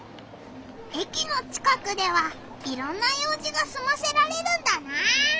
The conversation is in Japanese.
駅の近くではいろんな用じがすませられるんだな。